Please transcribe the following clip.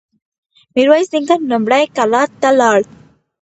ميرويس نيکه لومړی کلات ته لاړ.